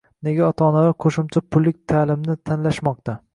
Nega ota-onalar qo‘shimcha pullik ta’limni tanlashmoqda?ng